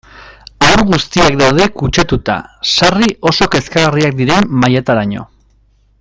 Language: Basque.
Haur guztiak daude kutsatuta, sarri oso kezkagarriak diren mailataraino.